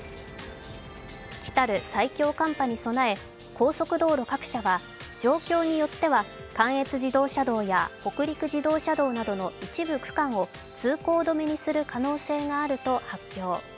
来る最強寒波に備え高速道路各社は状況によっては関越自動車道や北陸自動車道などの一部区間を通行止めにする可能性があると発表。